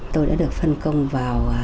tôi đã được phân công vào